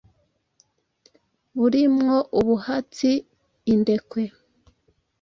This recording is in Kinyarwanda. Buri mwo ubuhatsi indekwe